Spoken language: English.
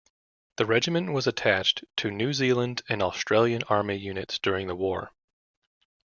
The regiment was attached to New Zealand and Australian army units during the war.